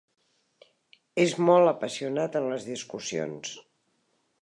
És molt apassionat en les discussions.